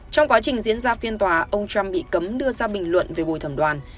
trong quá trình diễn ra phiên tòa ông trump bị cấm đưa ra bình luận về bồi thẩm đoàn